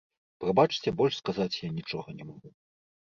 Прабачце, больш сказаць я нічога не магу.